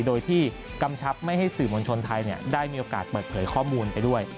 โดยที่กำชับไม่ให้สื่อมวลชนไทยได้มีโอกาสเปิดเผยข้อมูลไปด้วย